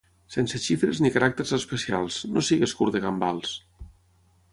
Sense xifres ni caràcters especials, no sigues curt de gambals!